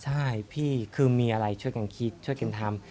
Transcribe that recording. ใช่พี่คือมีอะไรช่วยกันคิดช่วยกันทำ